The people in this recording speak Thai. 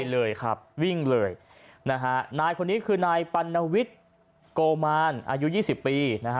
เลยครับวิ่งเลยนะฮะนายคนนี้คือนายปัณวิทย์โกมานอายุ๒๐ปีนะฮะ